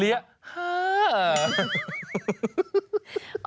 เหลี้ยเห้อ